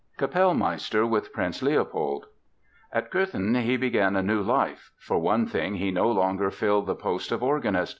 KAPELLMEISTER WITH PRINCE LEOPOLD At Cöthen he began a new life. For one thing, he no longer filled the post of organist.